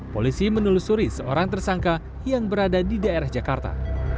polisi menelusuri seorang tersangka yang berada di daerah jakarta